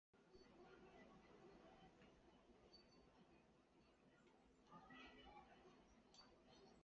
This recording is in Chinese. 费尔泰姆是德国下萨克森州的一个市镇。